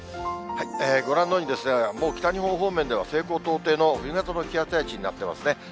ご覧のように、もう北日本方面では、西高東低の冬型の気圧配置になってますね。